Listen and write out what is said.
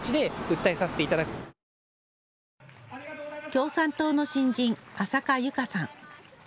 共産党の新人、浅賀由香さん。